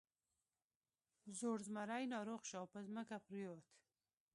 زوړ زمری ناروغ شو او په ځمکه پریوت.